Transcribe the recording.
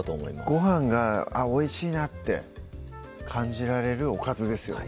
ごはんがおいしいなって感じられるおかずですよね